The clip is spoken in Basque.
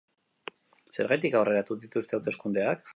Zergatik aurreratu dituzte hauteskundeak?